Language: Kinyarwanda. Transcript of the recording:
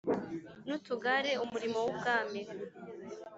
n utugare Umurimo w Ubwami